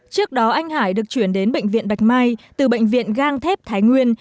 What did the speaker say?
trước đó anh hải được chuyển đến bệnh viện bạch mai từ bệnh viện gang thép thái nguyên